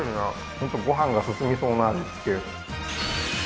本当ご飯が進みそうな味つけ